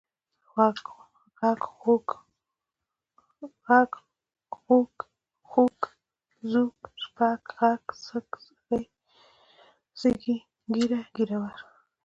غږ، غوږ، خوَږ، ځوږ، شپږ، ږغ، سږ، سږی، سږي، ږېره، ږېروَر .